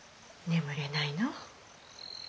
・眠れないの？